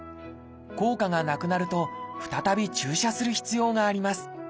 効果がなくなると再び注射する必要があります。